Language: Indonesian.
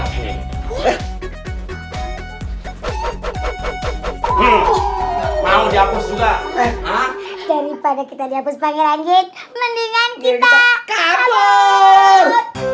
lihat nih mau dihapus juga daripada kita dihapus pangeran git mendingan kita kabur